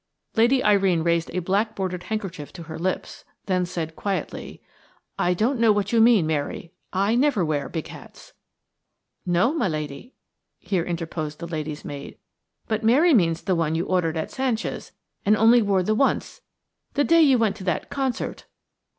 Lady Irene raised a black bordered handkerchief to her lips, then said quietly: "I don't know what you mean, Mary. I never wear big hats." "No, my lady," here interposed the lady's maid; "but Mary means the one you ordered at Sanchia's and only wore the once–the day you went to that concert."